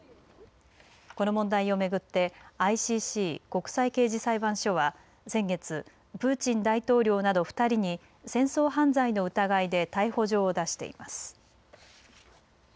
この問題を巡ってＩＣＣ・国際刑事裁判所は先月、プーチン大統領など２人に戦争犯罪の疑いで逮捕状を出しています。